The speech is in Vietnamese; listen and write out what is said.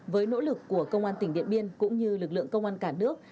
với nỗ lực của công an tỉnh điện biên cũng như lực lượng công an cả nước